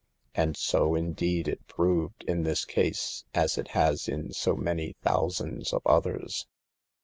And so, in deed, it proved in this case, as it has in so many thousands of others.